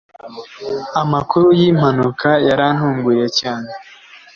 Amakuru yimpanuka yarantunguye cyane